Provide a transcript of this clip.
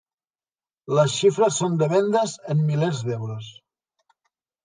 Les xifres són de vendes en milers d'euros.